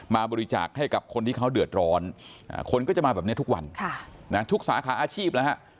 มาบริจาคให้กับคนที่เขาเดือดร้อนคนก็จะมาแบบนี้ทุกวันทุกสาขาอาชีพแล้วฮะ